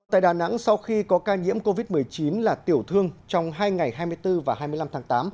tại đà nẵng sau khi có ca nhiễm covid một mươi chín là tiểu thương trong hai ngày hai mươi bốn và hai mươi năm tháng tám